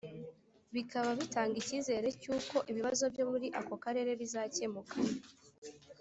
bikaba bitanga icyizere cy uko ibibazo byo muri ako karere bizakemuka